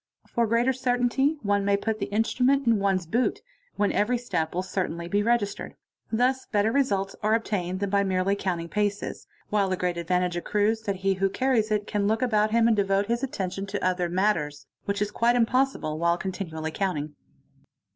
For greater certainty on may put the instrument in one's boot, when every step will certainly b registered. Thus better results are obtained than by merely countin paces, while the great advantage accrues that he who carries it can loo about him and devote his attention to other matters, which is quit impossible while continually counting.